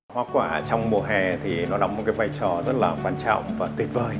hoa quả trong mùa hè thì nó đóng một cái vai trò rất là quan trọng và tuyệt vời